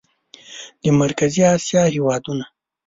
د مرکزي اسیا هېوادونه